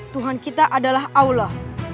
tuhan kita adalah allah